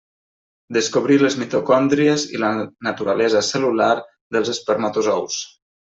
Descobrí les mitocòndries i la naturalesa cel·lular dels espermatozous.